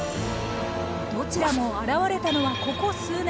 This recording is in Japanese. どちらも現れたのはここ数年。